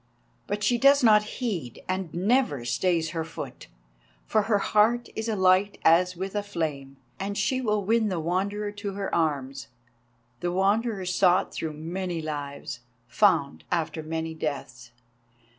But she does not heed, and never stays her foot. For her heart is alight as with a flame, and she will win the Wanderer to her arms—the Wanderer sought through many lives, found after many deaths.